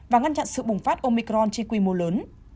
và ngăn chặn sự bùng phát omicron trên quy mô lớn